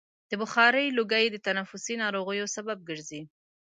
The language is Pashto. د بخارۍ لوګی د تنفسي ناروغیو سبب ګرځي.